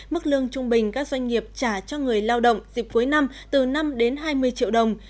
mức lương trung bình các doanh nghiệp trả cho người lao động dịp cuối năm từ năm đến hai mươi triệu đồng